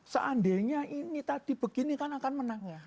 seandainya ini tadi begini kan akan menang